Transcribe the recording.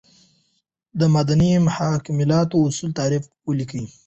دمدني محاکماتو اصولو تعریف ولیکئ ؟